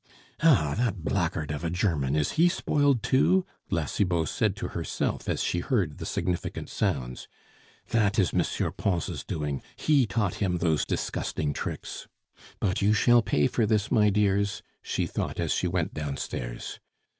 "Ah, that blackguard of a German! Is he spoiled, too?" La Cibot said to herself as she heard the significant sounds. "That is M. Pons' doing; he taught him those disgusting tricks.... But you shall pay for this, my dears," she thought as she went down stairs.